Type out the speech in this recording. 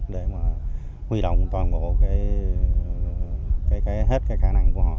để mà huy động toàn bộ cái hết cái khả năng của họ